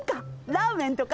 ラーメンとか。